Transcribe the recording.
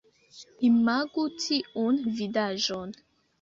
Imagu tiun vidaĵon!